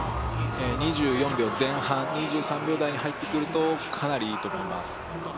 ２４秒前半、２３秒台に入ってくるとかなりいいと思います。